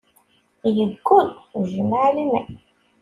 Yeggul, jmaɛ liman